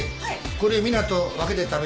これ皆と分けて食べて。